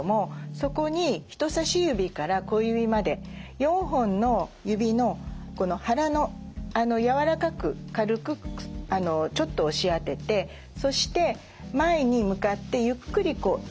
そこに人さし指から小指まで４本の指のこの腹の柔らかく軽くちょっと押し当ててそして前に向かってゆっくり円を描くようにマッサージ。